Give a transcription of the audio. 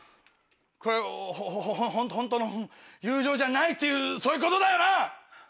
これほほホントの友情じゃないっていうそういうことだよな